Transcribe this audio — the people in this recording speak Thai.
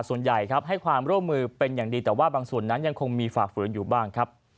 ส่วนใหญ่ครับให้ความร่วมมือเป็นอย่างดีแต่ว่าบางส่วนนั้นยังคงมีฝ่าฝืนอยู่บ้างครับ